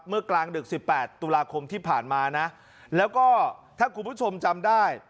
กลางดึกสิบแปดตุลาคมที่ผ่านมานะแล้วก็ถ้าคุณผู้ชมจำได้